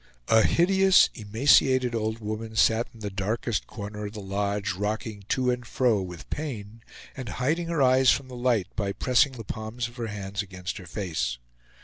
A hideous, emaciated old woman sat in the darkest corner of the lodge rocking to and fro with pain and hiding her eyes from the light by pressing the palms of both hands against her face.